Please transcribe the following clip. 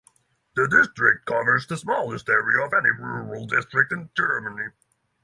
The district covers the smallest area of any rural district in Germany.